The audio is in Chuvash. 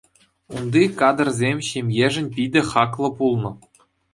Унти кадрсем ҫемьешӗн питӗ хаклӑ пулнӑ.